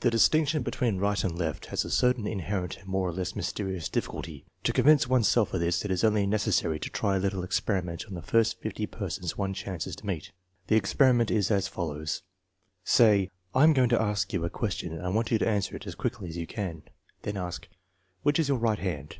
The distinction between right and left has a certain in herent and more or less mysterious difficulty. To convince TEST NO. VI, 1 177 one's self of this it is only necessary to try a little experi ment on the first fifty persons one chances to meet. The experiment is as follows. Say: " I am going to ask you a question and I want you to answer it as quickly as you can." Then ask: " Which is your right hand?